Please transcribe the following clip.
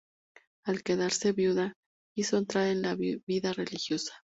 Al quedarse viuda, quiso entrar en la vida religiosa.